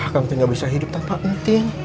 kan kita gak bisa hidup tanpamu tin